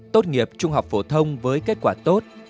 tốt nghiệp trung học phổ thông với kết quả tốt